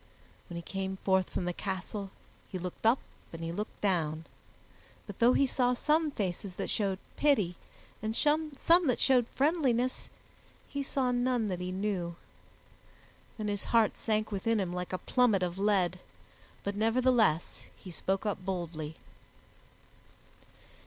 When he came forth from the castle he looked up and he looked down, but though he saw some faces that showed pity and some that showed friendliness, he saw none that he knew. Then his heart sank within him like a plummet of lead, but nevertheless he spoke up boldly.